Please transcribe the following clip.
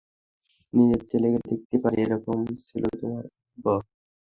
নিজের ছেলেকে দেখাতে পারি, এরকম ছিলো তোমার আব্বা।